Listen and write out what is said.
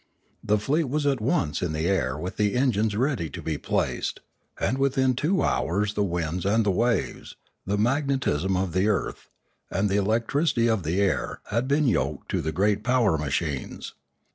The fleet was at once in the air with the engines ready to be placed ; and within two hours the winds and the waves, the magnetism of the earth, and the electricity of the air had been yoked to the great power machines.